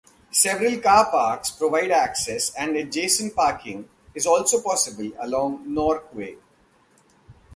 Several car parks provide access and adjacent parking is also possible along Nork Way.